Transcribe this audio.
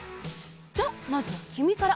じゃあまずはきみから！